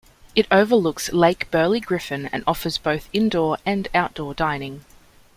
It overlooks Lake Burley Griffin and offers both indoor and outdoor dining.